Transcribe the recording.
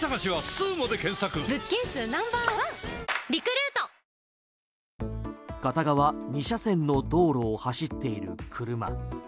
ペイトク片側２車線の道路を走っている車。